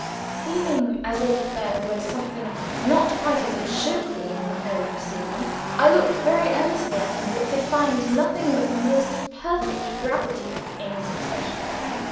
Feeling as if there were something not quite as it should be in the whole proceeding, I looked very earnestly at him, but could find nothing but the most perfect gravity in his expression.